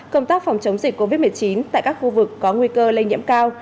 công tác phòng chống dịch covid một mươi chín tại các khu vực có nguy cơ lây nhiễm cao